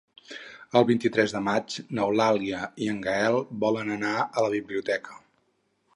El vint-i-tres de maig n'Eulàlia i en Gaël volen anar a la biblioteca.